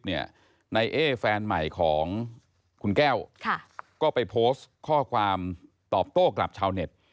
นายเอ๊แฟนใหม่ของคุณแก้วก็ไปโพสต์ข้อความตอบโต้กลับชาวเน็ต